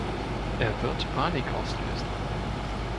Er wird Panik auslösen.